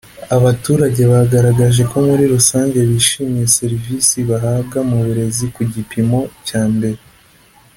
abaturage bagaragaje ko muri rusange bishimiye serivisi bahabwa mu burezi ku gipimo cyambere